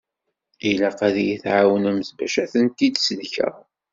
Ilaq ad yi-tɛawnemt bac ad tent-id-sellkeɣ.